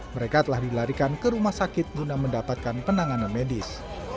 mereka telah dilarikan ke rumah sakit guna mendapatkan penanganan medis